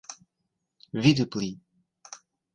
Vidu pli.